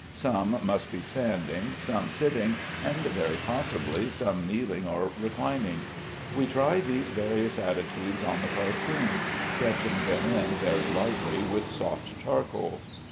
Some must be standing, some sitting, and very possibly some kneeling or reclining. We try these various attitudes on the cartoon, sketching them in very lightly with soft charcoal.